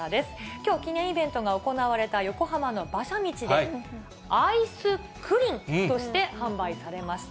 きょう、記念イベントが行われた横浜の馬車道で、あいすくりんとして販売されました。